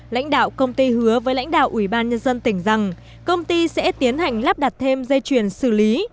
lãnh đạo công ty hứa với lãnh đạo ủy ban nhân dân tỉnh rằng công ty sẽ tiến hành lắp đặt thêm dây chuyền xử lý